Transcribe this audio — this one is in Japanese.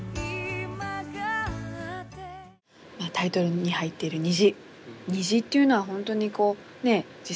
タイトルに入っている虹。